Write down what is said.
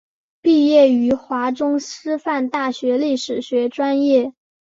毕业于华中师范大学历史学专业。